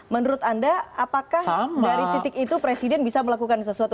menurut anda apakah dari titik itu presiden bisa melakukan sesuatu